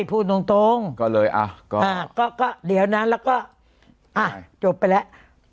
พูดตรงตรงก็เลยอ่ะก็ก็เดี๋ยวนั้นเราก็อ่ะจบไปแล้ว